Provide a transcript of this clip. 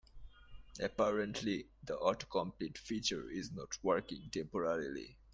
Apparently, the autocomplete feature is not working temporarily.